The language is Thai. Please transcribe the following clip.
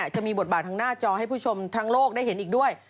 จะมีบทบาททางหน้าจอให้ผู้ชมทั้งโลกได้เห็นอีกด้วย